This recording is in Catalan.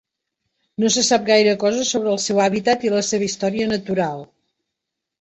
No se sap gaire cosa sobre el seu hàbitat i la seva història natural.